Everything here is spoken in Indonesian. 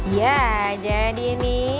ya jadi ini